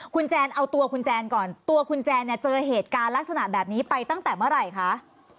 คุณแจนเอาตัวคุณแจนก่อนตัวคุณแจนเนี่ยเจอเหตุการณ์ลักษณะแบบนี้ไปตั้งแต่เมื่อไหร่คะ